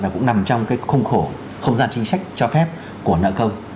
cũng nằm trong cái khung khổ không gian chính sách cho phép của nợ công